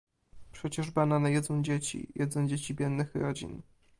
Przecież banany jedzą dzieci, jedzą dzieci biednych rodzin